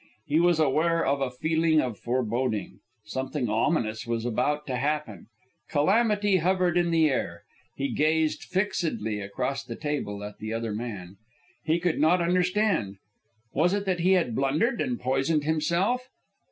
He was aware of a feeling of foreboding. Something ominous was about to happen. Calamity hovered in the air. He gazed fixedly across the table at the other man. He could not understand. Was it that he had blundered and poisoned himself?